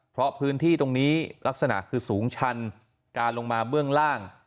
เพราะพื้นที่ตรงนี้ลักษณะคือสูงชันการลงมาเบื้องล่าง